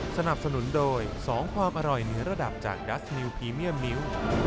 สนับสนุนโดย๒ความอร่อยเหนือระดับจากดัสนิวพรีเมียมมิ้ว